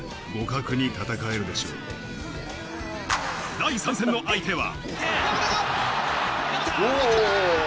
第３戦の相手は。